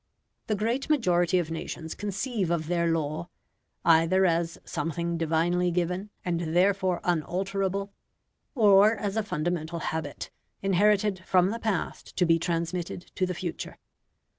The great majority of nations conceive of their law, either as something Divinely given, and therefore unalterable, or as a fundamental habit, inherited from the past to be transmitted to the future.